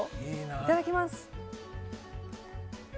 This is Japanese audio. いただきます。